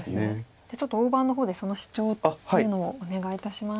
じゃあちょっと大盤の方でそのシチョウというのをお願いいたします。